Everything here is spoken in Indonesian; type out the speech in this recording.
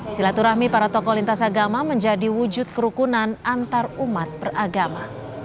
silaturahmi para toko lintas agama menjadi wujud kerukunan antar umat beragama